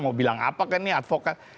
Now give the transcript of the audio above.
mau bilang apa kan nih advokat